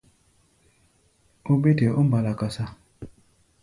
Ó bé te ɔ́ mbala-kasa.